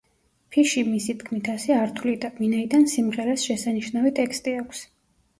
ფიში, მისი თქმით, ასე არ თვლიდა, ვინაიდან სიმღერას შესანიშნავი ტექსტი აქვს.